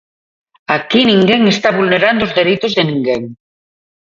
Aquí ninguén está vulnerando os dereitos de ninguén.